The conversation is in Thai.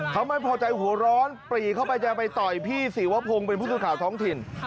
เขาไม่พอใจหัวร้อนปรีเข้าไปจะไปต่อยพี่ศรีวพงศ์เป็นผู้สื่อข่าวท้องถิ่น